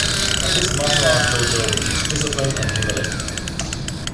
At this martial arts dojo we teach discipline and humility.